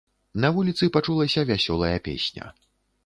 На вуліцы пачулася вясёлая песня.